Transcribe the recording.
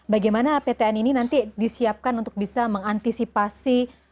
bagaimana ptn ini nanti disiapkan untuk bisa mengantisipasi